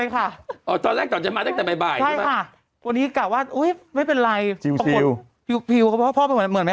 คนแหละ๓๔วันที่ผ่านมาเนี่ย